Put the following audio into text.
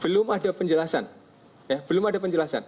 belum ada penjelasan ya belum ada penjelasan oke